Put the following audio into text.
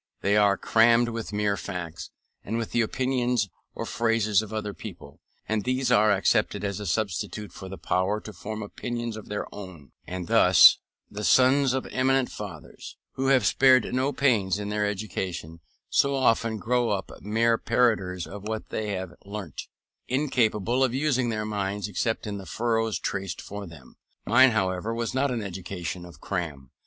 They are crammed with mere facts, and with the opinions or phrases of other people, and these are accepted as a substitute for the power to form opinions of their own; and thus the sons of eminent fathers, who have spared no pains in their education, so often grow up mere parroters of what they have learnt, incapable of using their minds except in the furrows traced for them. Mine, however, was not an education of cram.